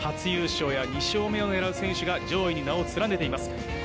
初優勝や２勝目を狙う選手が上位に名を連ねています。